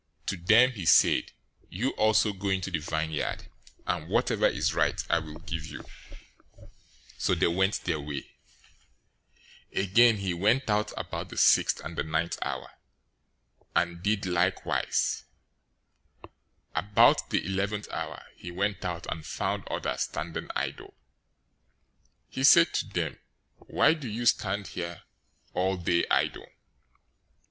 020:004 To them he said, 'You also go into the vineyard, and whatever is right I will give you.' So they went their way. 020:005 Again he went out about the sixth and the ninth hour,{noon and 3:00 P. M.} and did likewise. 020:006 About the eleventh hour{5:00 PM} he went out, and found others standing idle. He said to them, 'Why do you stand here all day idle?'